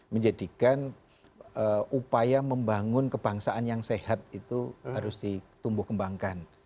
menjadikan upaya membangun kebangsaan yang sehat itu harus ditumbuh kembangkan